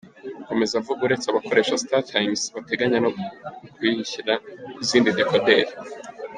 Akomeza avuga uretse abakoresha Star Times, bateganya no kuyishyira ku zindi dekoderi.